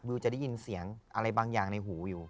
จะได้ยินเสียงอะไรบางอย่างในหูอยู่